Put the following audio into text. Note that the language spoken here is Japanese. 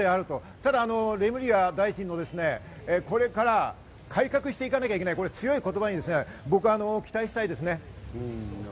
ただレムリヤ大臣のこれから改革していかなきゃいけない、強い言葉に僕は期待したいですね。